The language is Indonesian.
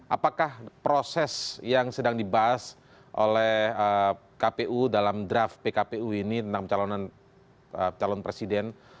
apakah proses yang sedang dibahas oleh kpu dalam draft pkpu ini tentang pencalonan calon presiden